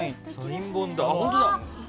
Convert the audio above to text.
本当だ！